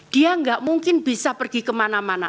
dia nggak mungkin bisa pergi kemana mana